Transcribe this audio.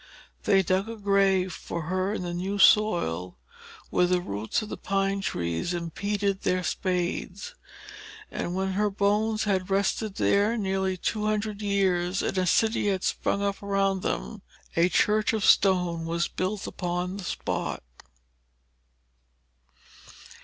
They dug a grave for her in the new soil, where the roots of the pine trees impeded their spades; and when her bones had rested there nearly two hundred years, and a city had sprung up around them, a church of stone was built upon the spot.